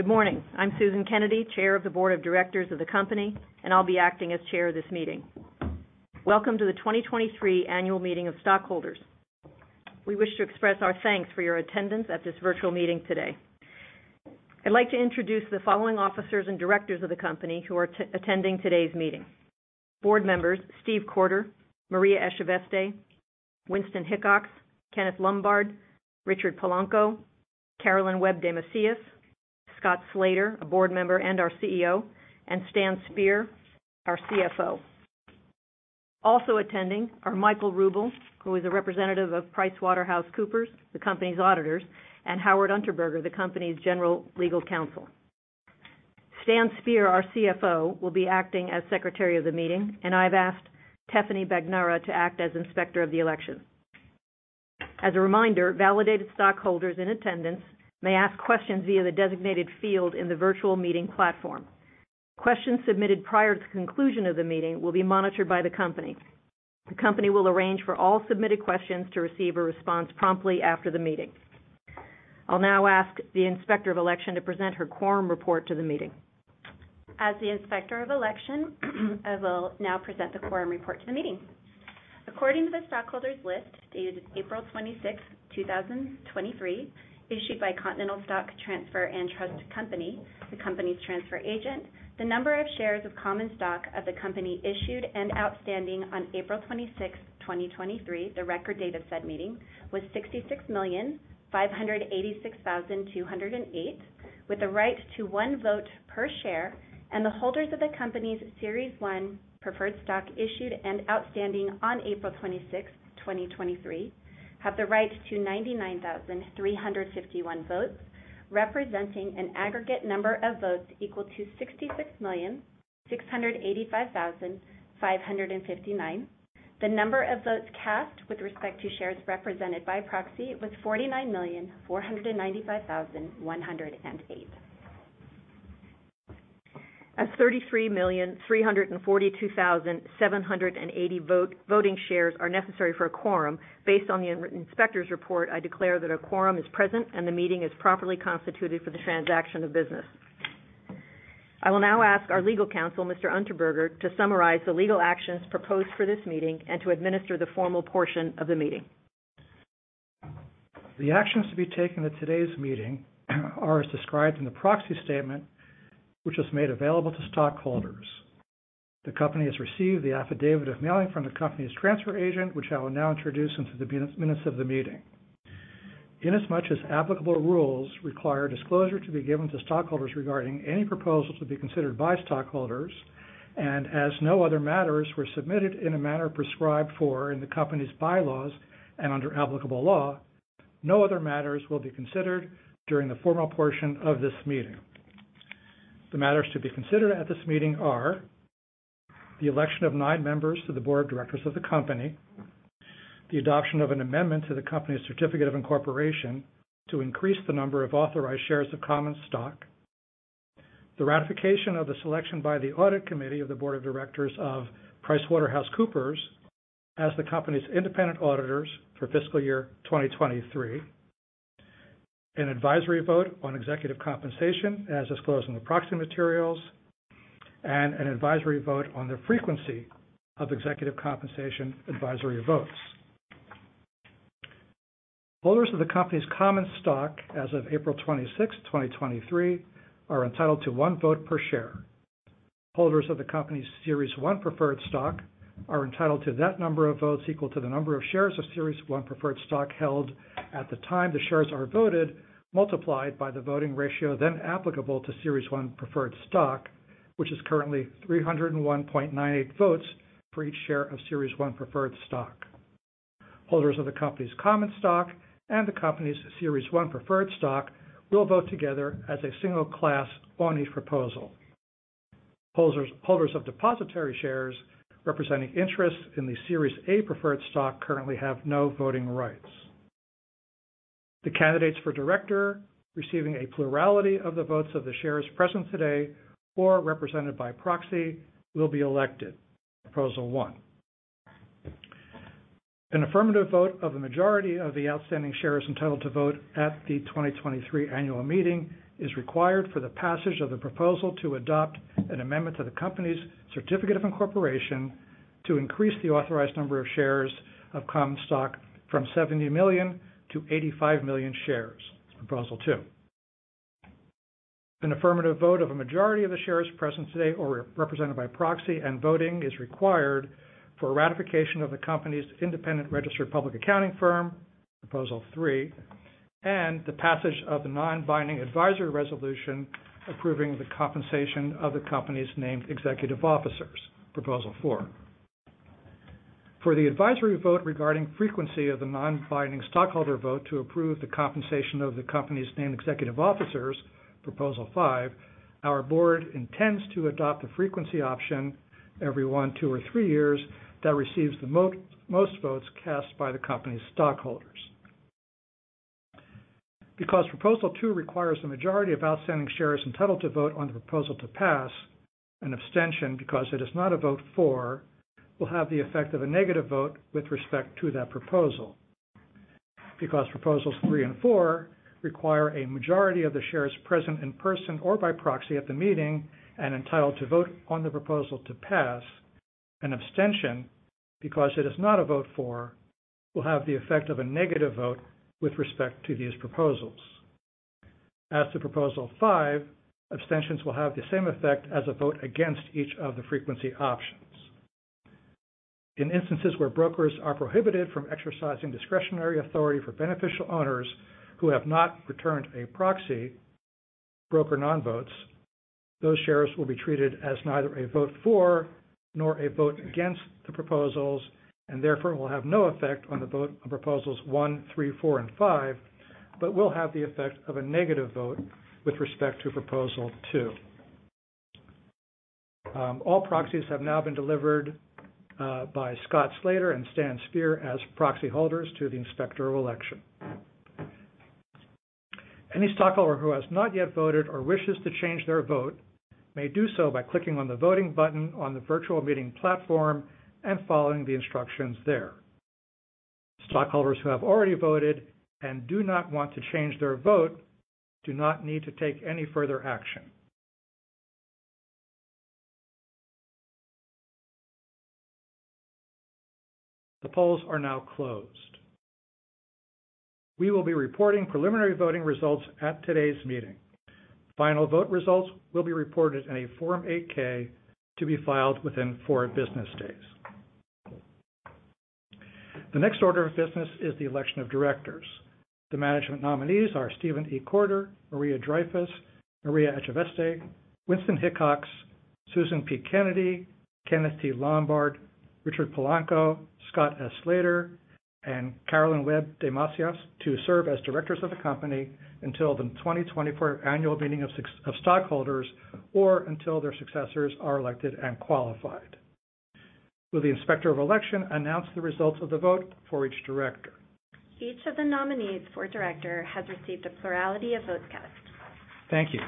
Good morning. I'm Susan Kennedy, Chair of the Board of Directors of the company, and I'll be acting as Chair of this meeting. Welcome to the 2023 annual meeting of stockholders. We wish to express our thanks for your attendance at this virtual meeting today. I'd like to introduce the following officers and Directors of the company who are attending today's meeting. Board members, Steven Courter, Maria Echaveste, Winston Hickox, Kenneth Lombard, Richard Polanco, Carolyn Webb de Macias, Scott Slater, a Board member and our CEO, and Stan Speer, our CFO. Also attending are Michael Ruble, who is a representative of PricewaterhouseCoopers, the company's auditors, and Howard Unterberger, the company's General Legal Counsel. Stan Speer, our CFO, will be acting as Secretary of the meeting, and I've asked Stephanie Bagnara to act as Inspector of the Election. As a reminder, validated stockholders in attendance may ask questions via the designated field in the virtual meeting platform. Questions submitted prior to the conclusion of the meeting will be monitored by the company. The company will arrange for all submitted questions to receive a response promptly after the meeting. I'll now ask the Inspector of Election to present her quorum report to the meeting. As the Inspector of Election, I will now present the quorum report to the meeting. According to the stockholders' list, dated April 26, 2023, issued by Continental Stock Transfer & Trust Company, the company's transfer agent, the number of shares of common stock of the company issued and outstanding on April 26, 2023, the record date of said meeting, was 66,586,208, with a right to one vote per share, and the holders of the company's Series 1 Preferred Stock issued and outstanding on April 26, 2023, have the right to 99,351 votes, representing an aggregate number of votes equal to 66,685,559. The number of votes cast with respect to shares represented by proxy was 49,495,108. As 33,342,780 voting shares are necessary for a quorum, based on the written Inspector's report, I declare that a quorum is present, and the meeting is properly constituted for the transaction of business. I will now ask our Legal Counsel, Mr. Unterberger, to summarize the legal actions proposed for this meeting and to administer the formal portion of the meeting. The actions to be taken at today's meeting are as described in the proxy statement, which was made available to stockholders. The company has received the affidavit of mailing from the company's transfer agent, which I will now introduce into the minutes of the meeting. In as much as applicable rules require disclosure to be given to stockholders regarding any proposal to be considered by stockholders, and as no other matters were submitted in a manner prescribed for in the company's bylaws and under applicable law, no other matters will be considered during the formal portion of this meeting. The matters to be considered at this meeting are the election of nine members to the board of directors of the company, the adoption of an amendment to the company's certificate of incorporation to increase the number of authorized shares of common stock, the ratification of the selection by the audit committee of the board of directors of PricewaterhouseCoopers as the company's independent auditors for fiscal year 2023, an advisory vote on executive compensation as disclosed in the proxy materials, and an advisory vote on the frequency of executive compensation advisory votes. Holders of the company's common stock as of April 26, 2023, are entitled to one vote per share. Holders of the company's Series 1 Preferred Stock are entitled to that number of votes equal to the number of shares of Series 1 Preferred Stock held at the time the shares are voted, multiplied by the voting ratio then applicable to Series 1 Preferred Stock, which is currently 301.98 votes for each share of Series 1 Preferred Stock. Holders of the company's common stock and the company's Series 1 Preferred Stock will vote together as a single class on each proposal. Holders of depository shares representing interest in the Series A preferred stock currently have no voting rights. The candidates for director receiving a plurality of the votes of the shares present today or represented by proxy will be elected Proposal 1. An affirmative vote of the majority of the outstanding shares entitled to vote at the 2023 annual meeting is required for the passage of the proposal to adopt an amendment to the company's certificate of incorporation to increase the authorized number of shares of common stock from 70 million to 85 million shares, Proposal 2. An affirmative vote of a majority of the shares present today or represented by proxy and voting is required for ratification of the company's independent registered public accounting firm, Proposal 3, and the passage of the non-binding advisory resolution approving the compensation of the company's named executive officers, Proposal 4. For the advisory vote regarding frequency of the non-binding stockholder vote to approve the compensation of the company's named executive officers, Proposal five, our board intends to adopt a frequency option every one, two, or three years that receives the most votes cast by the company's stockholders. Because Proposal 2 requires the majority of outstanding shares entitled to vote on the proposal to pass, an abstention, because it is not a vote for, will have the effect of a negative vote with respect to that proposal. Because Proposals three and four require a majority of the shares present in person or by proxy at the meeting and entitled to vote on the proposal to pass, an abstention, because it is not a vote for, will have the effect of a negative vote with respect to these proposals. As to Proposal five, abstentions will have the same effect as a vote against each of the frequency options. In instances where brokers are prohibited from exercising discretionary authority for beneficial owners who have not returned a proxy, broker non-votes, those shares will be treated as neither a vote for, nor a vote against the proposals, and therefore will have no effect on the vote on Proposals one, three, four, and five, but will have the effect of a negative vote with respect to Proposal 2. All proxies have now been delivered by Scott Slater and Stan Speer as proxy holders to the Inspector of Election. Any stockholder who has not yet voted or wishes to change their vote may do so by clicking on the voting button on the virtual meeting platform and following the instructions there. Stockholders who have already voted and do not want to change their vote do not need to take any further action. The polls are now closed. We will be reporting preliminary voting results at today's meeting. Final vote results will be reported in a Form 8-K to be filed within four business days. The next order of business is the election of directors. The management nominees are Steven E. Courter, Maria Dreyfus, Maria Echaveste, Winston Hickox, Susan P. Kennedy, Kenneth T. Lombard, Richard Polanco, Scott S. Slater, and Carolyn Webb de Macias to serve as directors of the company until the 2024 annual meeting of stockholders or until their successors are elected and qualified. Will the Inspector of Election announce the results of the vote for each director? Each of the nominees for director has received a plurality of votes cast. Thank you.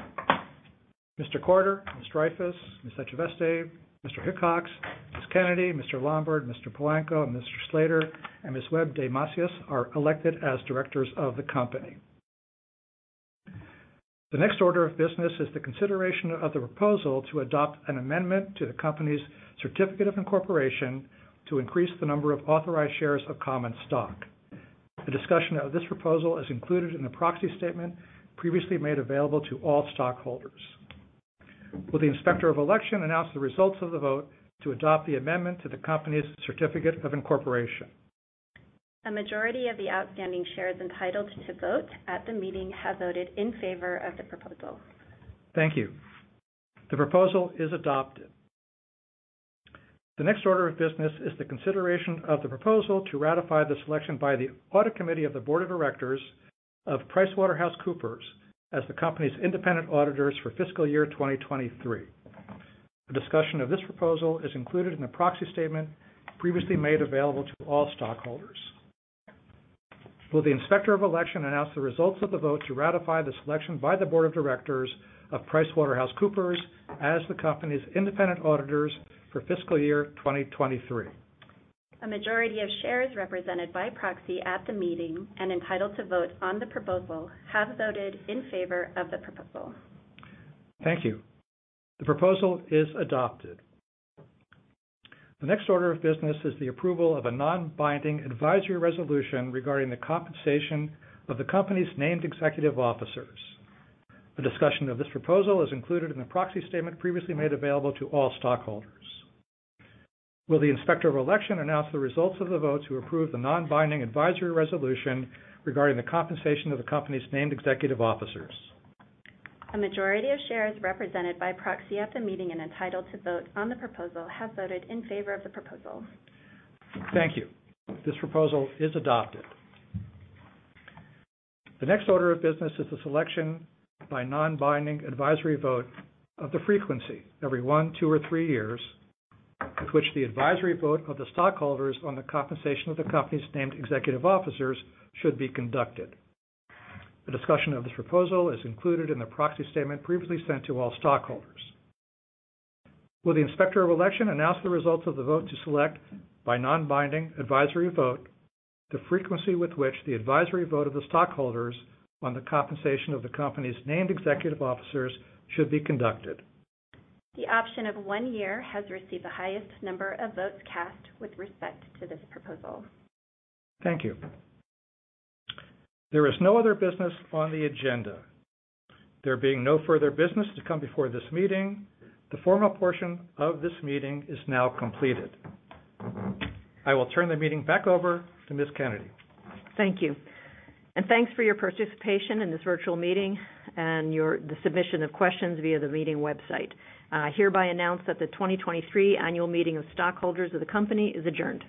Mr. Courter, Ms. Dreyfus, Ms. Echaveste, Mr. Hickox, Ms. Kennedy, Mr. Lombard, Mr. Polanco, Mr. Slater, and Ms. Webb de Macias are elected as directors of the company. The next order of business is the consideration of the proposal to adopt an amendment to the company's certificate of incorporation to increase the number of authorized shares of common stock. A discussion of this proposal is included in the proxy statement previously made available to all stockholders. Will the Inspector of Election announce the results of the vote to adopt the amendment to the company's certificate of incorporation? A majority of the outstanding shares entitled to vote at the meeting have voted in favor of the proposal. Thank you. The proposal is adopted. The next order of business is the consideration of the proposal to ratify the selection by the Audit Committee of the Board of Directors of PricewaterhouseCoopers as the company's independent auditors for fiscal year 2023. A discussion of this proposal is included in the proxy statement previously made available to all stockholders. Will the Inspector of Election announce the results of the vote to ratify the selection by the Board of Directors of PricewaterhouseCoopers as the company's independent auditors for fiscal year 2023? A majority of shares represented by proxy at the meeting and entitled to vote on the proposal have voted in favor of the proposal. Thank you. The proposal is adopted. The next order of business is the approval of a non-binding advisory resolution regarding the compensation of the company's named executive officers. A discussion of this proposal is included in the proxy statement previously made available to all stockholders. Will the Inspector of the Election announce the results of the vote to approve the non-binding advisory resolution regarding the compensation of the company's named executive officers? A majority of shares represented by proxy at the meeting and entitled to vote on the proposal have voted in favor of the proposal. Thank you. This proposal is adopted. The next order of business is the selection by non-binding advisory vote of the frequency every one, two, or three years, with which the advisory vote of the stockholders on the compensation of the company's named executive officers should be conducted. A discussion of this proposal is included in the proxy statement previously sent to all stockholders. Will the Inspector of the Election announce the results of the vote to select by non-binding advisory vote the frequency with which the advisory vote of the stockholders on the compensation of the company's named executive officers should be conducted? The option of one year has received the highest number of votes cast with respect to this proposal. Thank you. There is no other business on the agenda. There being no further business to come before this meeting, the formal portion of this meeting is now completed. I will turn the meeting back over to Ms. Kennedy. Thank you. Thanks for your participation in this virtual meeting and the submission of questions via the meeting website. I hereby announce that the 2023 annual meeting of stockholders of the company is adjourned.